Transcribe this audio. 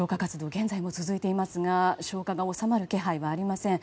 現在も続いていますが消火が収まる気配がありません。